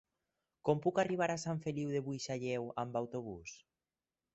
Com puc arribar a Sant Feliu de Buixalleu amb autobús?